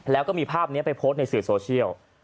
แล้วก็มีภาพนี้ไปโพสต์ในสื่อโซเชียล